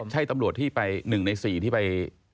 ใช่ตำรวจที่ไป๑ใน๔ที่ไป